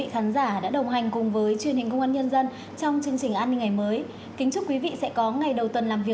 hãy đăng ký kênh để ủng hộ kênh của chúng mình nhé